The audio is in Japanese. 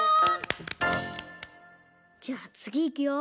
じゃあつぎいくよ。